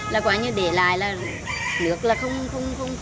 là quá như để lại là nước không chạy thống thoảng là để lại là ô nhiễm